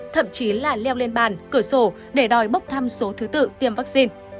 thậm chí là leo lên bàn cửa sổ để đòi bốc thăm số thứ tự tiêm vaccine